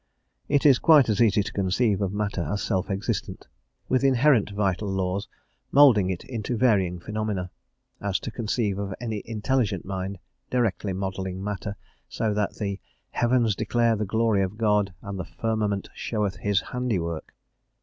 It is quite as easy to conceive of matter as self existent, with inherent vital laws moulding it into varying phenomena, as to conceive of any intelligent mind directly modelling matter, so that the "heavens declare the glory of God, and the firmament showeth his handy work."